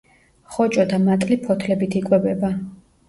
ხოჭო და მატლი ფოთლებით იკვებება.